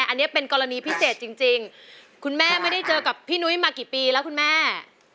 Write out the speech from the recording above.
อันนี้เป็นกรณีพิเศษจริงคุณแม่ไม่ได้เจอกับพี่นุ้ยมากี่ปีแล้วคุณแม่